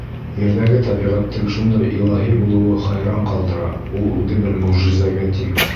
Ерҙәге тәбиғәттең шундай илаһи булыуы хайран ҡалдыра, ул үҙе бер мөғжизәгә тиң.